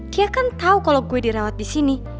dia kan tau kalau gue direawat disini